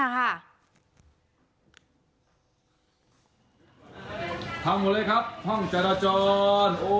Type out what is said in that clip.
ทำหมดเลยครับห้องจราจรโอ้